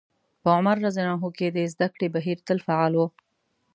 په عمر رض کې د زدکړې بهير تل فعال و.